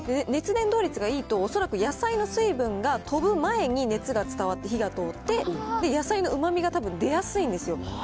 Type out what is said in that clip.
熱伝導率がいいと、恐らく野菜の水分が飛ぶ前に熱が伝わって火が通って、野菜のうまみがたぶん出やすいんですよ。